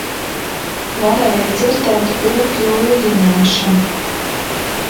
Varēja dzirdēt ūpja ūjināšanu